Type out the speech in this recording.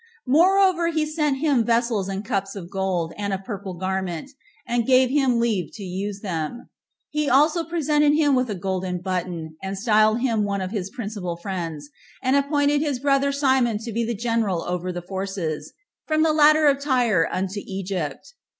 Moreover, he sent him vessels and cups of gold, and a purple garment, and gave him leave to use them. He also presented him with a golden button, and styled him one of his principal friends, and appointed his brother Simon to be the general over the forces, from the Ladder of Tyre unto Egypt.